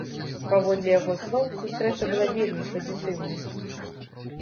Паводле яго слоў сустрэча была вельмі пазітыўнай.